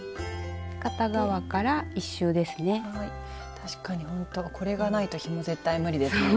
確かにほんとこれがないとひも絶対無理ですね。